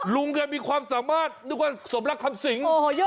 ลุงแกมีความสามารถนึกว่าสมรักคำสิง